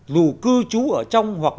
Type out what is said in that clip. dù cư trú ở trong hoặc